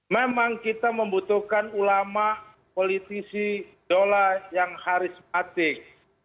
memang kita membutuhkan ulama politisi dola yang harismatik